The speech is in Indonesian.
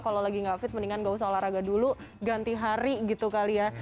kalau lagi nggak fit mendingan gak usah olahraga dulu ganti hari gitu kali ya